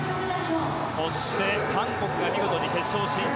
そして韓国が見事に決勝進出。